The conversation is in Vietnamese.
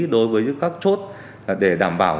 đối với các chốt để đảm bảo